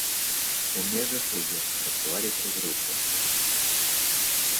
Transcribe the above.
У межах яе працавалі тры групы.